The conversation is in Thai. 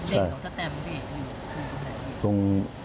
อย่างจุดเด็กของสตัมป์นี่คืออะไร